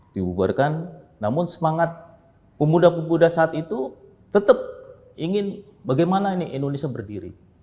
dibubarkan namun semangat pemuda pemuda saat itu tetap ingin bagaimana ini indonesia berdiri